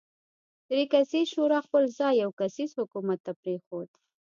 درې کسیزې شورا خپل ځای یو کسیز حکومت ته پرېښود.